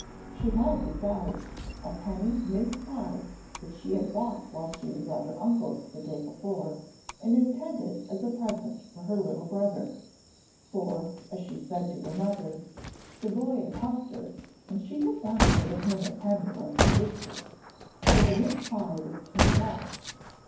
She had besides a penny mince pie that she had bought while she was at her uncle's the day before, and intended as a present for her little brother; for, as she said to her mother, the boy had 'huffed her,' and she had not given him a penny like his sisters, so the mince pie was to make up.